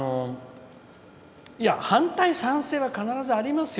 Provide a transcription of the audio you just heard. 反対賛成は必ずありますよ。